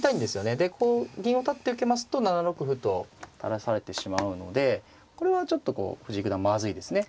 でこう銀を立って受けますと７六歩と垂らされてしまうのでこれはちょっと藤井九段まずいですね。